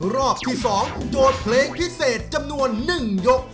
รอบที่๒โจทย์เพลงพิเศษจำนวน๑ยก